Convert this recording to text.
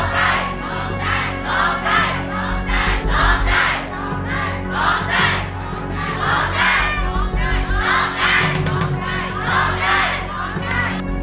โรงเกณฑ์โรงเกณฑ์โรงเกณฑ์โรงเกณฑ์